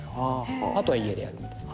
あとは家でやるみたいな。